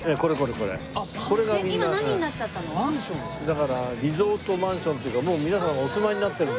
だからリゾートマンションというかもう皆さんお住まいになってる。